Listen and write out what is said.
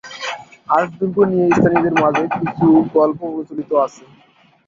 Arc দুর্গ নিয়ে স্থানীয়দের মাঝে কিছু গল্প প্রচলিত আছে।